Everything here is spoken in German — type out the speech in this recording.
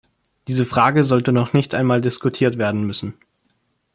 Diese Frage sollte noch nicht einmal diskutiert werden müssen.